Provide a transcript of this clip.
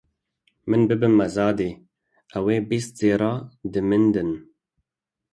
Min bibe mezadê, ew ê bîst zêra di min din.